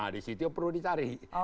di situ perlu dicari